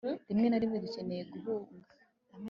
rimwe na rimwe, dukenera guhunga